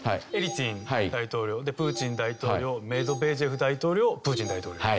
エリツィン大統領プーチン大統領メドベージェフ大統領プーチン大統領。